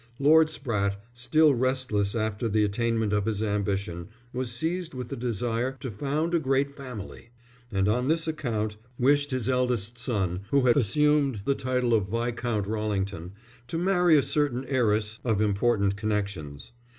Lord Spratte, still restless after the attainment of his ambition, was seized with the desire to found a great family; and on this account wished his eldest son, who had assumed the title of Viscount Rallington, to marry a certain heiress of important connections.